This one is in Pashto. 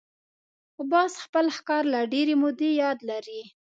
باز خپل ښکار له ډېرې مودې یاد لري